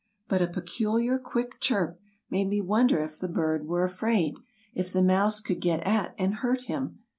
But a peculiar, quick chirp made me wonder if the bird were afraid, if the mouse could get at and hurt him.